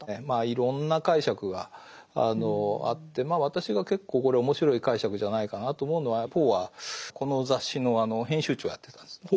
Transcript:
まあいろんな解釈があって私が結構これ面白い解釈じゃないかなと思うのはポーはこの雑誌の編集長をやってたんです。